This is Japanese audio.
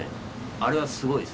あれはすごいです。